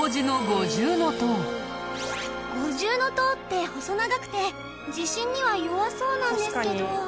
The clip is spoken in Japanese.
五重塔って細長くて地震には弱そうなんですけど。